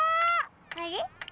あれ？